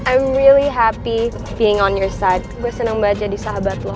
i'm really happy being on your side gue seneng banget jadi sahabat lo